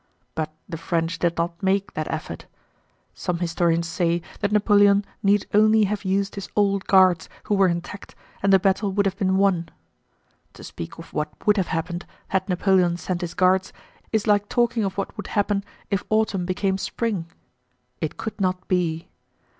But the French did not make that effort. Some historians say that Napoleon need only have used his Old Guards, who were intact, and the battle would have been won. To speak of what would have happened had Napoleon sent his Guards is like talking of what would happen if autumn became spring. It could not be.